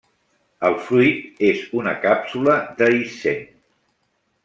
El fruit és una càpsula dehiscent.